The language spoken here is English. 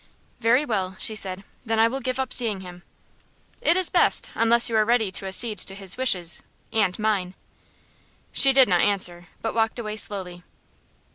"Very well," she said. "Then I will give up seeing him." "It is best, unless you are ready to accede to his wishes and mine." She did not answer, but walked away slowly.